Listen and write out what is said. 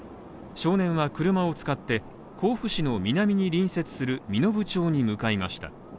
少年は車を使って甲府市の南に隣接する身延町に向かいました。